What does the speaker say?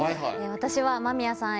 私は間宮さん